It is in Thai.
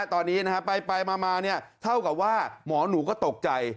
ตอนนี้ไปมาเท่ากับว่าหมอหนูก็ตกใจ